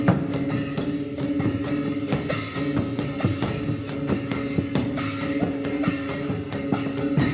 โอ้โอ้โอ้โอ้